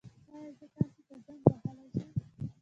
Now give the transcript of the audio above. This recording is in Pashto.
ایا زه تاسو ته زنګ وهلی شم؟